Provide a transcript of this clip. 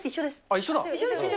一緒だ。